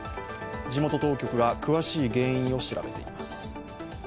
地元当局が詳しい原因を調べています。